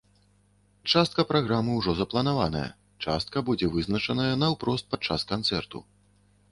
Частка праграмы ўжо запланаваная, частка будзе вызначаная наўпрост падчас канцэрту.